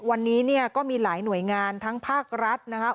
วันนี้เนี่ยก็มีหลายหน่วยงานทั้งภาครัฐนะครับ